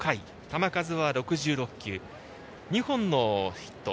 球数は６６球、２本のヒット。